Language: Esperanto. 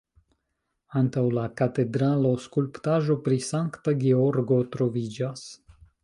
Antaŭ la katedralo skulptaĵo pri Sankta Georgo troviĝas.